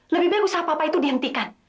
lebih baik usaha papa itu dihentikan